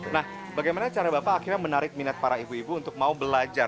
nah bagaimana cara bapak akhirnya menarik minat para ibu ibu untuk mau belajar